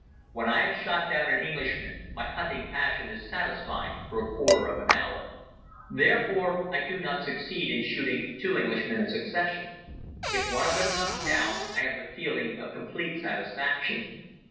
When I have shot down an Englishman my hunting passion is satisfied for a quarter of an hour. Therefore I do not succeed in shooting two Englishmen in succession. If one of them comes down I have the feeling of complete satisfaction.